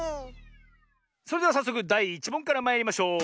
それではさっそくだい１もんからまいりましょう！